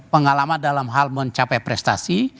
pengalaman dalam hal mencapai prestasi